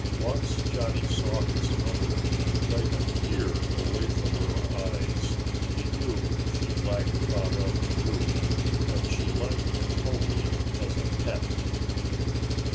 Once Johnny saw his mother wipe a tear away from her eyes. He knew she liked Baba, too. But she liked him only as a pet.